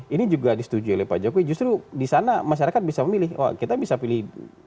ini juga disetujui oleh pak jokowi justru di sana masyarakat bisa memilih wah kita bisa pilih